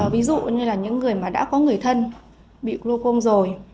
ví dụ như là những người mà đã có người thân bị glocom rồi